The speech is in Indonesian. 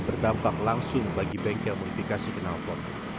berdampak langsung bagi bengkel modifikasi kenalpot